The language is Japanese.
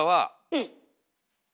うん。